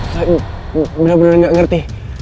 saya benar benar nggak ngerti